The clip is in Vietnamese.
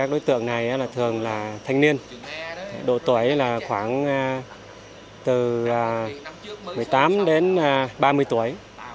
độ tuổi là khoảng từ một mươi tám đến ba mươi tuổi